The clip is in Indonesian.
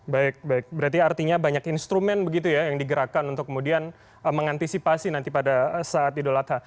baik baik berarti artinya banyak instrumen begitu ya yang digerakkan untuk kemudian mengantisipasi nanti pada saat idul adha